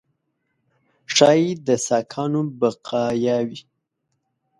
ښایي د ساکانو بقایاوي.